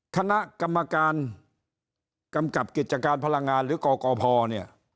คณะกรรมการกำกับกิจการพลังงานหรือกกพเนี่ย